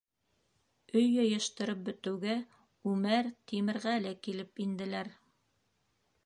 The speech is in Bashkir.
Өй йыйыштырып бөтөүгә, Үмәр, Тимерғәле килеп инделәр.